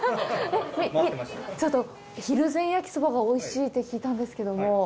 ひるぜん焼きそばがおいしいって聞いたんですけども。